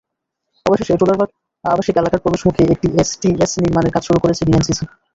অবশেষে টোলারবাগ আবাসিক এলাকার প্রবেশমুখেই একটি এসটিএস নির্মাণের কাজ শুরু করেছে ডিএনসিসি।